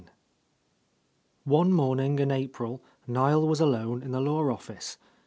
VII O NE morning in April Niel was alone in the law office.